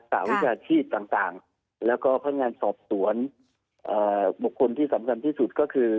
สาวิชาชีพต่างแล้วก็พนักงานสอบสวนบุคคลที่สำคัญที่สุดก็คือ